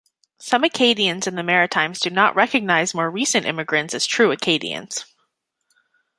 Some Acadians in the Maritimes do not recognize more recent immigrants as true Acadians.